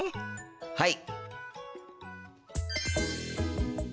はい！